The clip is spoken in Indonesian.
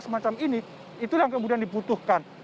semacam ini itulah yang kemudian diputuhkan